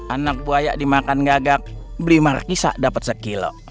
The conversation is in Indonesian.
anak buaya dimakan gagak beli markisa dapat sekilo